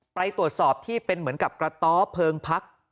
ไปตรวจสอบที่เป็นเหมือนกับกระต๊อเพลิงพัก